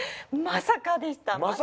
まさかでしょう？